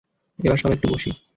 এবার সবাই একটু বসি।